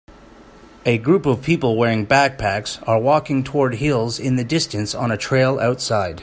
A group of people wearing backpacks are walking toward hills in the distance on a trail outside.